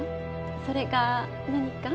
それが何か？